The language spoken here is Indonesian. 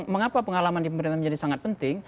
mengapa pengalaman di pemerintahan menjadi sangat penting